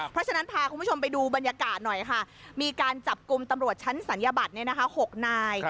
เพราะฉะนั้นพาคุณผู้ชมไปดูบรรยากาศหน่อยค่ะมีการจับกลุ่มตำรวจชั้นศัลยบัตร๖นาย